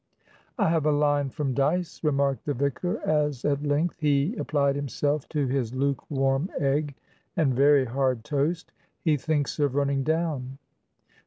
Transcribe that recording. "I have a line from Dyce," remarked the vicar, as at length he applied himself to his lukewarm egg and very hard toast. "He thinks of running down."